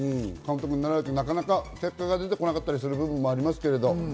なかなか結果が出てこなかったりする部分もありますけど。